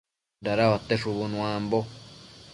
Dadauate shubu nuambo